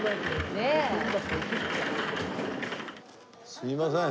すみません。